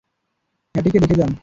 হ্যাটিকে দেখে যান!